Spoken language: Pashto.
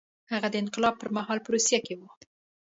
هغه د انقلاب پر مهال په روسیه کې و.